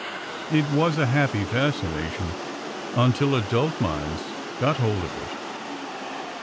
It was a happy fascination until adult minds got hold of it!